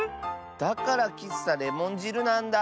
だからきっさレモンじるなんだ。